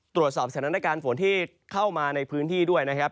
ตรวจสอบสถานการณ์ฝนที่เข้ามาในพื้นที่ด้วยนะครับ